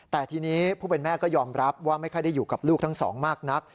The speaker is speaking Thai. แต่ทีนี้ผู้เป็นแม่ก็ยอมรับว่าไม่ค่อยได้อยู่กับลูกทั้งสองมากนัก